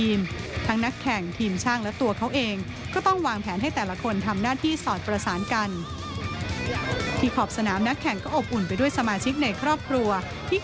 ทีมทั้งนักแข่งทีมช่างและตัวเขาเองก็ต้องวางแผนให้แต่ละคนทำหน้าที่สอดประสานกันที่ขอบสนามนักแข่งก็อบอุ่นไปด้วยสมาชิกในครอบครัวที่